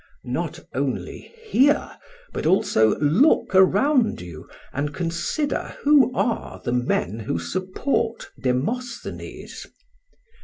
Not only hear, but also look around you and consider who are the men who support Demosthenes.